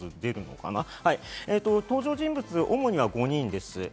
登場人物、主には５人です。